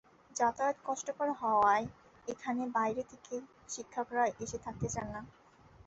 যাতায়াত কষ্টকর হওয়ায় এখানে বাইরে থেকে শিক্ষকেরা এসে থাকতে চান না।